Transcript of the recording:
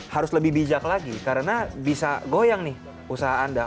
harus lebih bijak lagi karena bisa goyang nih usaha anda